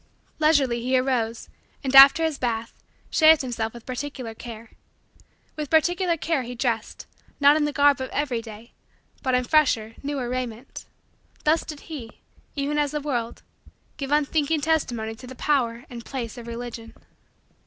Leisurely he arose and, after his bath, shaved himself with particular care. With particular care he dressed, not in the garb of every day, but in fresher, newer, raiment. Thus did he, even as the world, give unthinking testimony to the power and place of Religion.